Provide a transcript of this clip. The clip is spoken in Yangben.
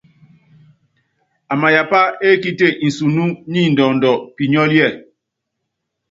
Amayapá ekíte nsunú ni ndɔɔndɔ pinyɔ́líɛ.